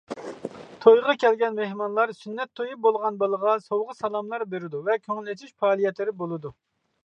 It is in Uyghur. تويغا كەلگەن مېھمانلار سۈننەت تويى بولغان بالىغا سوۋغا سالاملار بېرىدۇ ۋە كۆڭۈل ئېچىش پائالىيەتلىرى بولىدۇ.